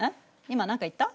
今何か言った？